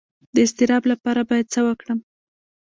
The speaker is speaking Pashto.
د اضطراب لپاره باید څه وکړم؟